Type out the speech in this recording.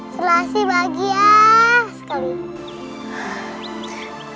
selassie bahagia sekali